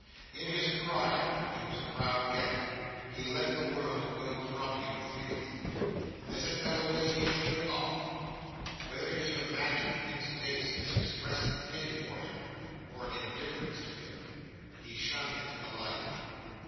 In his pride—for he was proud yet—he let the world go from him freely. As it fell away, he shook it off. Whether he imagined its face as expressing pity for him, or indifference to him, he shunned it alike.